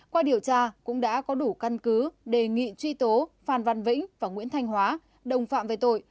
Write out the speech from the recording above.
qua điều tra cũng đã có đủ căn cứ đề nghị truy tố phan văn vĩnh và nguyễn thanh hóa đồng phạm về tội